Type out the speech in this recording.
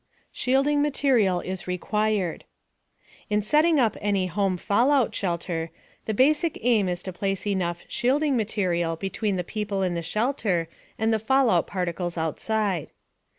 SHIELDING MATERIAL IS REQUIRED In setting up any home fallout shelter, the basic aim is to place enough "shielding material" between the people in the shelter and the fallout particles outside.